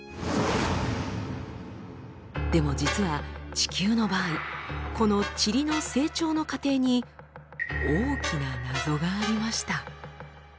でも実は地球の場合このチリの成長の過程に大きな謎がありました。